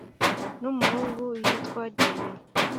numuhungu yitwa Jimmy